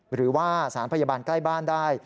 หรือว่าสารพยาบาลใกล้บ้านได้